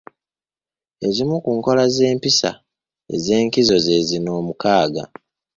Ezimu ku nkola n’empisa ez’enkizo ze zino omukaaga: